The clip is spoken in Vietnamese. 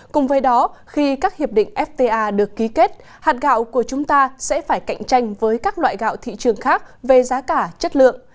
cùng với đó khi các hiệp định fta được ký kết hạt gạo của chúng ta sẽ phải cạnh tranh với các loại gạo thị trường khác về giá cả chất lượng